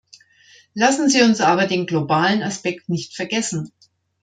Lassen Sie uns aber den globalen Aspekt nicht vergessen.